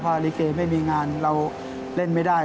เพราะว่าริเกมให้มีงานเราเล่นไม่ได้